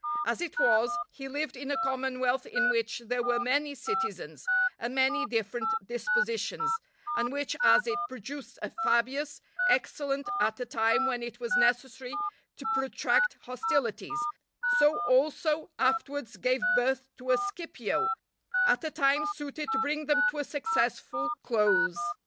As it was, he lived in a commonwealth in which there were many citizens, and many different dispositions; and which as it produced a Fabius, excellent at a time when it was necessary to protract hostilities, so also, afterwards gave birth to a Scipio, at a time suited to bring them to a successful close.